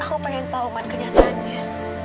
aku pengen tahu oman kenyataannya